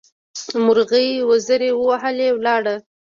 مرغۍ وزرې ووهلې؛ ولاړه.